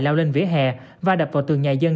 lao lên vỉa hè và đập vào tường nhà dân